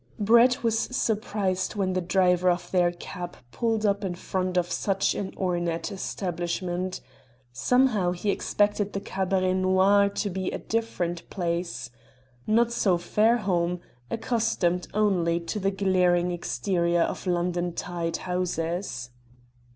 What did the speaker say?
Brett was surprised when the driver of their cab pulled up in front of such an ornate establishment. Somehow, he expected the Cabaret Noir to be a different place. Not so Fairholme, accustomed only to the glaring exterior of London tied houses.